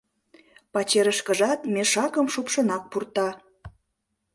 Пачерышкыжат мешакым шупшынак пурта.